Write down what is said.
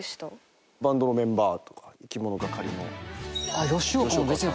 バンドのメンバーとかいきものがかりの。